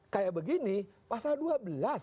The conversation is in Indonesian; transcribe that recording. kayak begini pasal dua belas